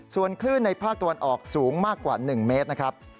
ส่วนคลื่นในภาคตะวันออกสูงมากกว่า๑เมตรนะครับ